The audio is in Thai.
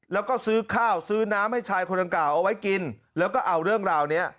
แล้วก็ซื้อข้าวซื้อน้ำให้ชายคนดังกล่าวเอาไว้กินแล้วก็เอาเรื่องราวนี้